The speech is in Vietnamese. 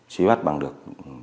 trí bắt bằng được